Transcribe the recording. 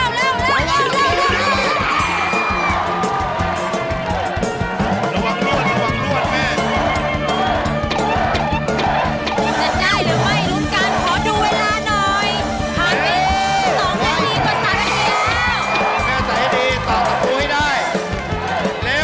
มันให้แน่นนะ